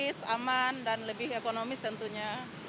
lebih aman dan lebih ekonomis tentunya